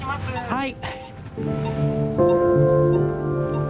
はい。